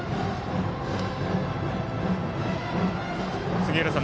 杉浦さん